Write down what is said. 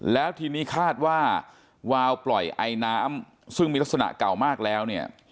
แล้วทีนี้คาดว่าวาวปล่อยไอน้ำซึ่งมีลักษณะเก่ามากแล้วเนี่ย